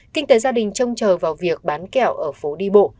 kinh tế gia đình trông chờ vào việc bán kẹo ở phố đi bộ